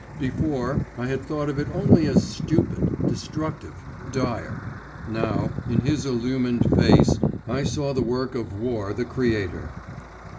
Before, I had thought of it only as stupid, destructive, dire; now, in his illumined face, I saw the work of War the Creator.